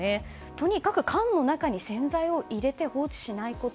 とにかく缶の中に洗剤を入れて放置しないこと。